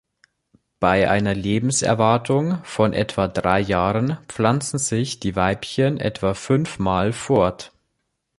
Bei einer Lebenserwartung von etwa drei Jahren pflanzen sich die Weibchen etwa fünfmal fort.